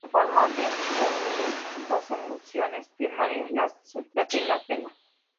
Se forma en unir dos emociones primarias, la sorpresa y la pena.